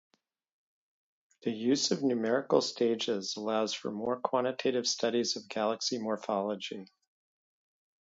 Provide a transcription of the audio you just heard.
The use of numerical stages allows for more quantitative studies of galaxy morphology.